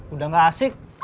udah gak asik